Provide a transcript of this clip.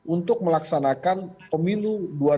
untuk melaksanakan pemilu